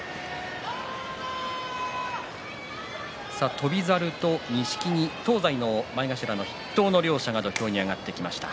翔猿と錦木東西の前頭筆頭の両者が土俵に上がってきました。